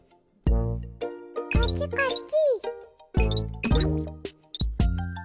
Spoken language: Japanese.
こっちこっち！